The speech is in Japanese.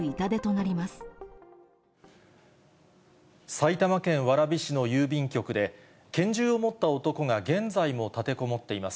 埼玉県蕨市の郵便局で、拳銃を持った男が現在も立てこもっています。